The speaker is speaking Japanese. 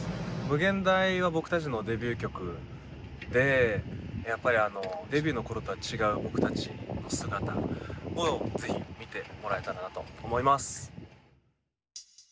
「無限大」は僕たちのデビュー曲でやっぱりデビューの頃とは違う僕たちの姿を是非見てもらえたらなと思います。